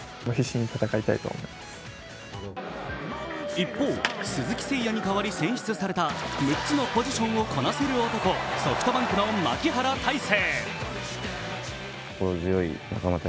一方、鈴木誠也に代わり選出された６つのポジションをこなせる男、ソフトバンクの牧原大成。